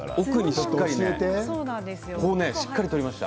しっかり取りました。